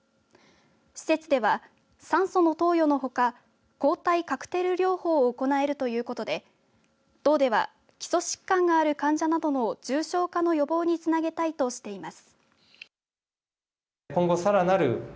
施設では酸素の投与のほか抗体カクテル療法を行えるということで道では基礎疾患がある患者などの重症化の予防につなげたいとしています。